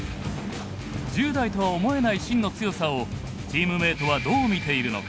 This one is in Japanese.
１０代とは思えない芯の強さをチームメートはどう見ているのか。